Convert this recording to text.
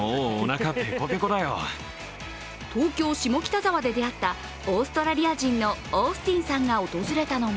東京・下北沢で出会ったオーストラリア人のオースティンさんが訪れたのも